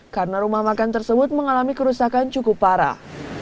karena rumah makan tersebut mengalami kerusakan cukup parah